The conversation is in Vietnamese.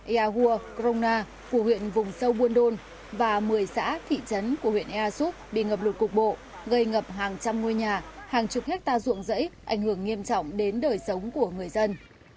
ea hua krona phủ huyện vùng sâu buôn đôn và một mươi xã thị trấn của huyện ea suốt bị ngập lụt cục bộ gây ngập hàng trăm ngôi nhà hàng chục hectare ruộng rẫy ảnh hưởng nghiêm trọng đến đời sống của người dân